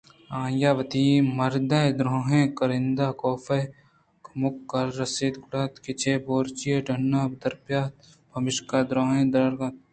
آئیءَ وتی مردءِ دُرٛاہیں کارندہءُکاف ءِ ہمکاردُرٛستانءَ گُرّدات کہ چہ بورچی ءَ ڈنّ دربیا اَنت پمشکا دُرٛاہ دراتک اَنت